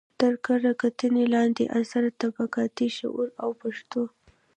تر کره کتنې لاندې اثر: طبقاتي شعور او پښتو